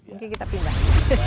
mungkin kita pindah